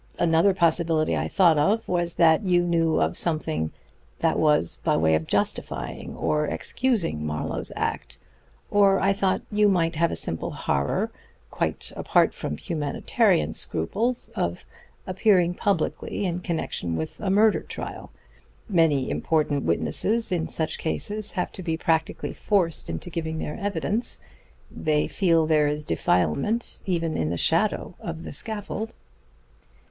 Another possibility I thought of was that you knew of something that was by way of justifying or excusing Marlowe's act. Or I thought you might have a simple horror, quite apart from humanitarian scruples, of appearing publicly in connection with a murder trial. Many important witnesses in such cases have to be practically forced into giving their evidence. They feel there is defilement even in the shadow of the scaffold."